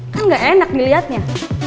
kan nggak enak diliatnya